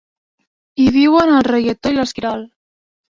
Hi viuen el reietó i l'esquirol.